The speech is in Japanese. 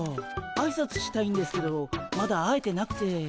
あいさつしたいんですけどまだ会えてなくて。